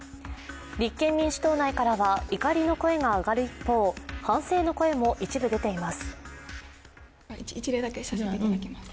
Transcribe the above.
立憲民主党内からは怒りの声が上がる一方反省の声も一部出ています。